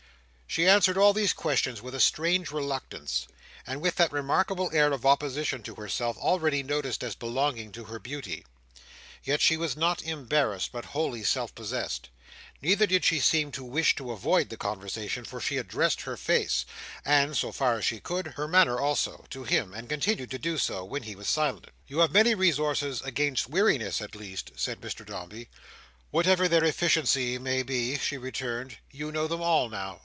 She answered all these questions with a strange reluctance; and with that remarkable air of opposition to herself, already noticed as belonging to her beauty. Yet she was not embarrassed, but wholly self possessed. Neither did she seem to wish to avoid the conversation, for she addressed her face, and—so far as she could—her manner also, to him; and continued to do so, when he was silent. "You have many resources against weariness at least," said Mr Dombey. "Whatever their efficiency may be," she returned, "you know them all now.